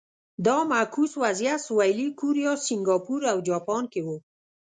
دا معکوس وضعیت سویلي کوریا، سینګاپور او جاپان کې و.